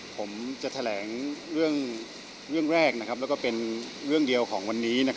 ผมจะแถลงเรื่องแรกแล้วก็เป็นเรื่องเดียวของวันนี้